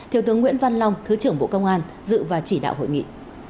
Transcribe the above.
thiếu tướng nguyễn văn long thứ trưởng bộ công an dự và chỉ đạo hội nghị